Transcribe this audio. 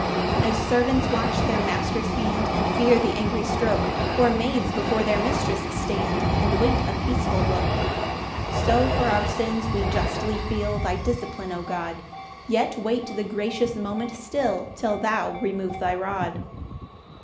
2 As Servants watch their master's hand, And fear the angry stroke; Or maids before their mistress stand, And wait a peaceful look; 3 So for our sins we justly feel Thy discipline, O God; Yet wait the gracious moment still, Till thou remove thy rod.